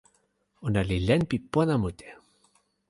ona li len pi pona mute.